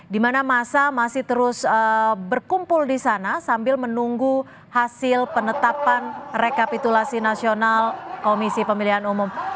dimana massa masih terus berkumpul disana sambil menunggu hasil penetapan rekapitulasi nasional komisi pemilihan umum